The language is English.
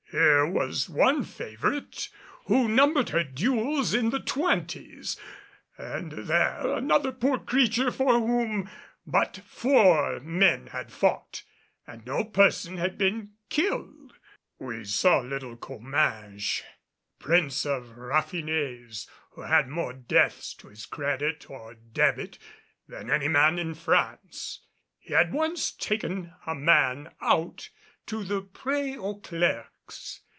Here was one favorite who numbered her duels in the twenties; and there another poor creature for whom but four men had fought, and no person been killed. We saw little Comminges, Prince of raffinés, who had more deaths to his credit or debit than any man in France. He had once taken a man out to the Prè aux clercs.